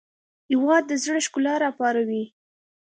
هېواد د زړه ښکلا راپاروي.